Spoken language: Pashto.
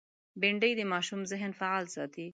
بېنډۍ د ماشوم ذهن فعال ساتي